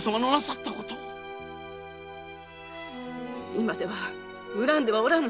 今では恨んではおらぬ。